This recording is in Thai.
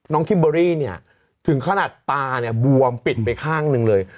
น้องคิมเบอร์รี่ถึงขนาดตาบวมปิดไปข้างหนึ่งเลย